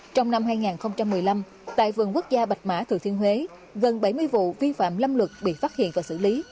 trong năm hai nghìn một mươi năm tại vườn quốc gia bạch mã thừa thiên huế gần bảy mươi vụ vi phạm lâm luật bị phát hiện và xử lý